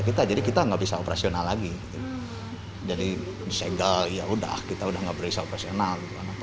kita jadi kita nggak bisa operasional lagi jadi segel ya udah kita udah nggak periksa operasional